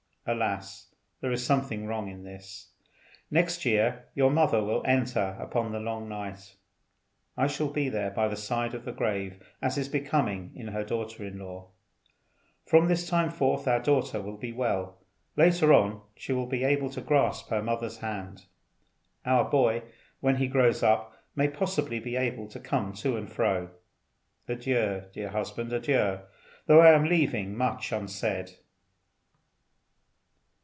Alas! there is something wrong in this. Next year your mother will enter upon the long night. I shall be there by the side of the grave as is becoming in her daughter in law. From this time forth our daughter will be well; later on she will be able to grasp her mother's hand. Our boy, when he grows up, may possibly be able to come to and fro. Adieu, dear husband, adieu, though I am leaving much unsaid."